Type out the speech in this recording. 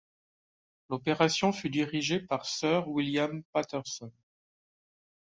L'opération fut dirigée par Sir William Paterson.